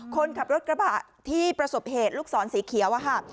คนขับรถกระบะที่ประสบเหตุลูกศรสีเขียวอะค่ะ